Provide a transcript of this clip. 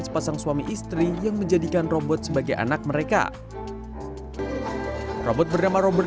sepasang suami istri yang menjadikan robot sebagai anak mereka robot bernama robot